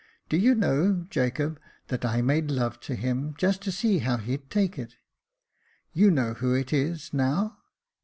Do you know, Jacob, that I made love to him, just to see how he'd take it. You know who it is now